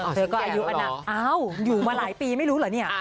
เธอก็อายุอนาวอยู่มาหลายปีไม่รู้เหรอเนี่ย